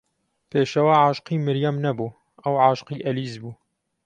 پێشەوا عاشقی مەریەم نەبوو، ئەو عاشقی ئەلیس بوو.